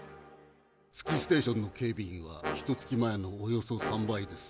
月ステーションの警備員はひとつき前のおよそ３倍です。